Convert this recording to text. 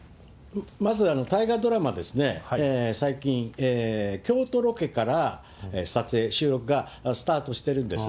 まず大河ドラマですね、最近、京都ロケから撮影、収録がスタートしているんです。